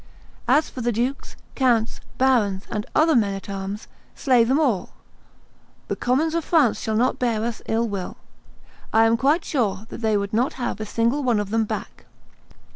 As for the dukes, counts, barons, and other men at arms, slay them all; the commons of France shall not bear us ill will; I am quite sure that they would not have a single one of them back."